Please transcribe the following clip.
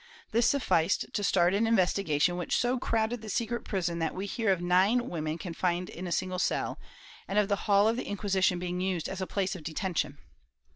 This sufficed to start an investigation which so crowded the secret prison that we hear of nine women confined in a single cell, and of the hall of the Inquisition being used as a place of detention.